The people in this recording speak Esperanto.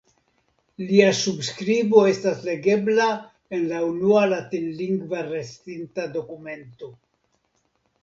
Lia subskribo estas legebla en la unua latinlingva restinta dokumento.